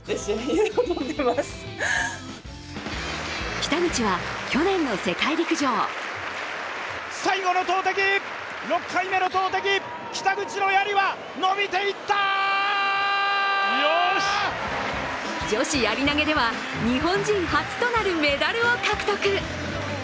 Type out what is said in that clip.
北口は去年の世界陸上女子やり投げでは、日本人初となるメダルを獲得。